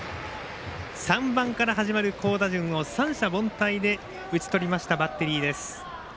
３番から始まる好打順を三者凡退で打ち取りました、バッテリーです。